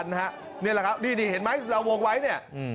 นี่แหละครับนี่เห็นไหมเราวงไว้เนี่ย